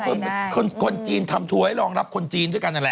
คือเป็นคนจีนทำทัวร์ให้รองรับคนจีนด้วยกันนั่นแหละ